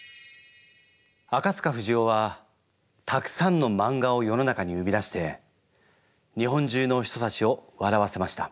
あかつかふじおはたくさんのマンガを世の中に生み出して日本中の人たちを笑わせました。